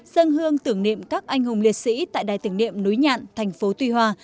dân hương tưởng niệm các anh hùng liệt sĩ tại đài tưởng niệm núi nhạn thành phố tuy hòa